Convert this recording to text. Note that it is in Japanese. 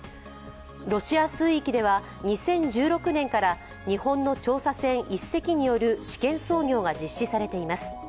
ロシア水域では２０１６年から日本の調査船１隻による試験操業が実施されています。